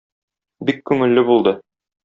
Бик күңелле булды.